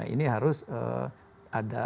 ini harus ada